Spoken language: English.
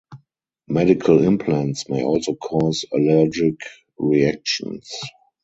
Medical implants may also cause allergic reactions.